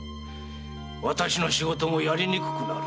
私の仕事もやりにくくなる。